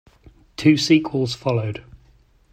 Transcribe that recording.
Two sequels followed.